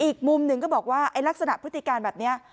อีกมุมหนึ่งก็บอกว่าไอ้ลักษณะพฤติการแบบนี้